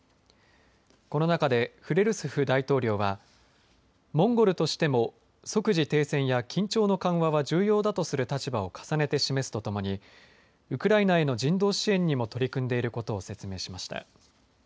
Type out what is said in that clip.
この中でフレルスフ大統領はモンゴルとしても即時停戦や緊張の緩和は重要だとする立場を重ねて示すとともにウクライナへの人道支援にも取り組んでいることを説明しました。